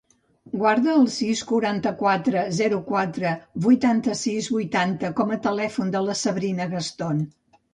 Guarda el sis, quaranta-quatre, zero, quatre, vuitanta-sis, vuitanta com a telèfon de la Sabrina Gaston.